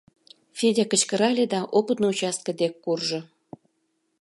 — Федя кычкырале да опытный участке дек куржо.